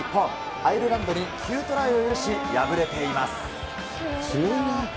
アイルランドに９トライを許し、破れています。